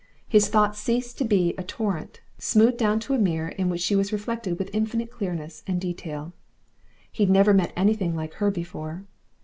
His thoughts ceased to be a torrent, smoothed down to a mirror in which she was reflected with infinite clearness and detail. He'd never met anything like her before.